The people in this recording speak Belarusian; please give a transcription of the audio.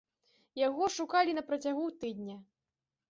Яго шукалі на працягу тыдня.